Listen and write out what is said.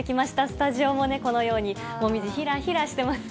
スタジオもね、このように、モミジ、ひらひらしてます。